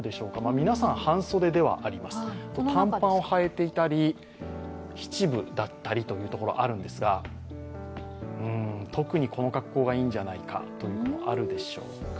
皆さん半袖ではあります、短パンをはいていたり七分だったりというところあるんですが、特にこの格好がいいんじゃないかというのは、あるでしょうか。